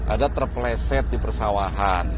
ada terpleset di persawahan